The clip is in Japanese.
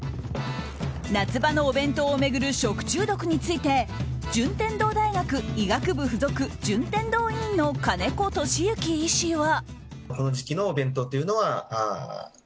夏場のお弁当を巡る食中毒について順天堂大学医学部附属順天堂医院の金子俊之医師は。